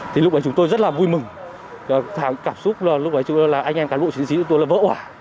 thì lúc đấy chúng tôi rất là vui mừng cảm xúc lúc đấy là anh em cán bộ chiến sĩ của tôi là vỡ quả